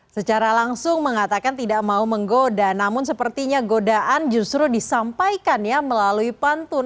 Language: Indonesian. secara langsung mengatakan tidak mau menggoda namun sepertinya godaan justru disampaikannya melalui pantun